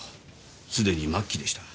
すでに末期でした。